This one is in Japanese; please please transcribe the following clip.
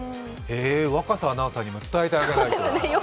若狭アナウンサーにも伝えてあげないと。